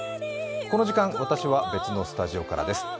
この時間、私は別のスタジオからです。